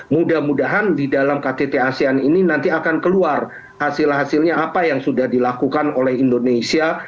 mudah mudahan di dalam ktt asean ini nanti akan keluar hasil hasilnya apa yang sudah dilakukan oleh indonesia